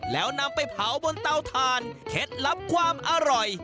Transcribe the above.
แล้วนำไปเผาบนเตาถ่านเคล็ดลับความอร่อย